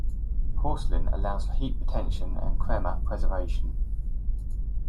Porcelain allows for heat retention and crema preservation.